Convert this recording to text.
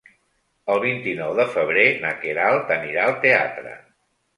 El vint-i-nou de febrer na Queralt anirà al teatre.